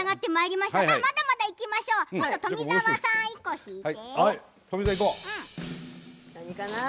まだまだいきましょう今度は富澤さん１個引いて。